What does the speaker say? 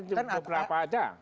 kan hanya beberapa aja